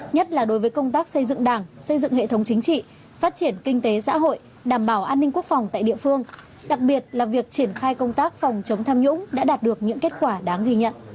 nhất là đối với công tác xây dựng đảng xây dựng hệ thống chính trị phát triển kinh tế xã hội đảm bảo an ninh quốc phòng tại địa phương đặc biệt là việc triển khai công tác phòng chống tham nhũng đã đạt được những kết quả đáng ghi nhận